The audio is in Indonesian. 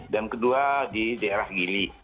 dan kedua di daerah gili